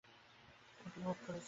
তিনি ছুটি ভোগ করছেন।